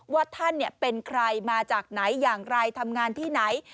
ว่าท่านเป็นใครมาจากไหนอย่างไรทำงานที่ไหน